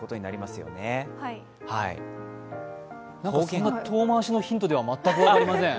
そんな遠回しのヒントでは全く分かりません。